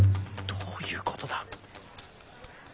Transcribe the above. どういうことだ。